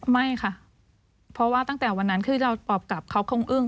ไม่ค่ะเพราะว่าตั้งแต่วันนั้นคือเราตอบกลับเขาคงอึ้ง